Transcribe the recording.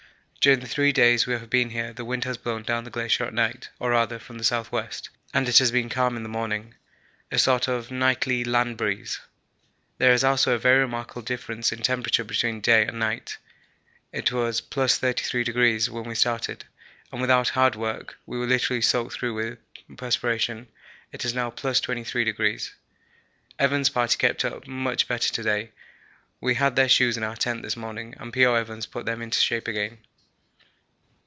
During the three days we have been here the wind has blown down the glacier at night, or rather from the S.W., and it has been calm in the morning a sort of nightly land breeze. There is also a very remarkable difference in temperature between day and night. It was +33° when we started, and without hard work we were literally soaked through with perspiration. It is now +23°. Evans' party kept up much better to day; we had their shoes into our tent this morning, and P.O. Evans put them into shape again.